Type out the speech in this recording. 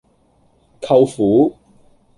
舅父